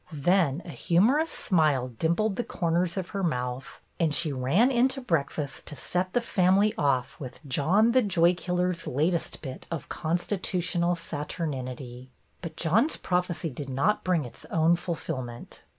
Then a humorous smile dimpled the corners of her mouth, and she ran in to breakfast to set the family off with John, the Joy Killer's latest bit of constitutional saturninity. But John's prophecy did not bring its own fulfilment.